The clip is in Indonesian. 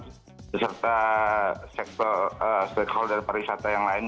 beserta stakeholder pariwisata yang lain